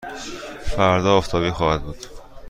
فردا آفتابی خواهد بود.